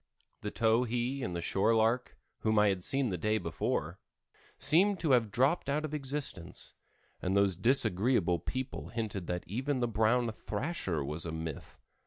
The towhee and the shore lark whom I had seen the day before, seemed to have dropped out of existence, and those disagreeable people hinted that even the brown thrasher was a myth.